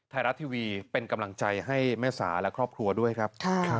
ไทยรัฐทีวีเป็นกำลังใจให้แม่สาและครอบครัวด้วยครับ